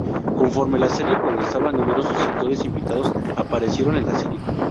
Conforme la serie progresaba, numerosos actores invitados aparecieron en la serie.